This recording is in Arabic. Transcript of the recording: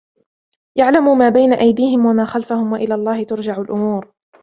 يعلم ما بين أيديهم وما خلفهم وإلى الله ترجع الأمور